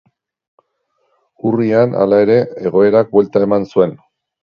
Urrian, hala ere, egoerak buelta eman zuen.